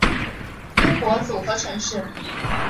英国组合城市